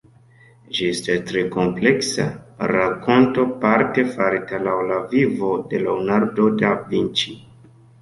Ĝi estas tre kompleksa rakonto parte farita laŭ la vivo de Leonardo da Vinci.